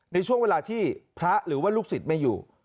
ในช่วงเวลาที่พระหรือว่าลูกศิษย์ไม่อยู่